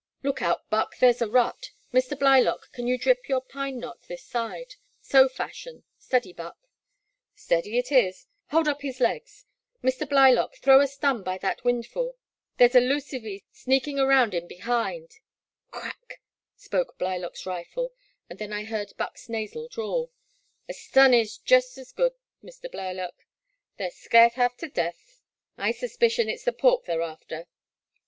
I/x>k out, Buck, here *s a rut, — Mr. Blylock, can you dip your pine knot this side ?— so fashion, — steady. Buck. Steady, it is, — ^hold up his legs, — Mr. Blylock, throw a stun by that windfall, — ^there *s a ludvee sneakin* araound in behind Crack ! spoke Blylock* s rifle, and then I heard Buck*s nasal drawl :A stun is jest *s good, Mr. Blylock, they *re scairt haf tu deth — I suspicion it *s the pork they *re after